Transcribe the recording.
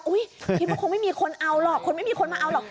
คิดว่าคงไม่มีคนเอาหรอกคนไม่มีคนมาเอาหรอก